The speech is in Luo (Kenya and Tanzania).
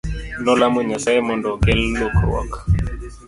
Nolamo Nyasaye mondo okel lokruok.